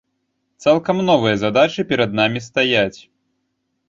Цалкам новыя задачы перад намі стаяць.